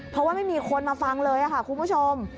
เพราะว่าไม่มีคนมาฟังเลยค่ะคุณผู้ชม